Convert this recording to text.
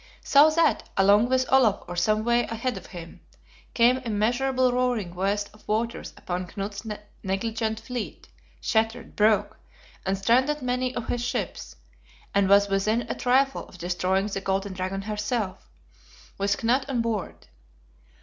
So that, along with Olaf or some way ahead of him, came immeasurable roaring waste of waters upon Knut's negligent fleet; shattered, broke, and stranded many of his ships, and was within a trifle of destroying the Golden Dragon herself, with Knut on board.